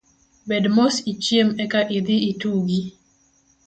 Bed mos ichiem eka idhi itugi.